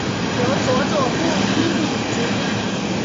由佐佐木英明主演。